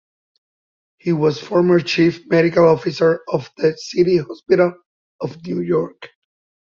He was former chief medical officer at the City Hospital of New York.